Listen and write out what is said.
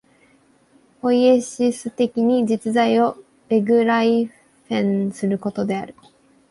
ポイエシス的に実在をベグライフェンすることである。